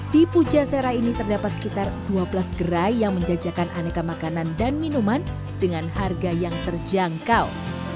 di pujasera ini terdapat sekitar dua belas gerai yang menjajakan aneka makanan dan minuman dengan harga yang terjangkau